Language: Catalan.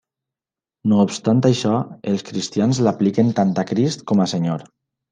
No obstant això, els cristians l'apliquen tant a Crist com a Senyor.